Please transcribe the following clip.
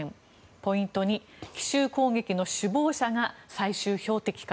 ポイント２奇襲攻撃の首謀者が最終標的か。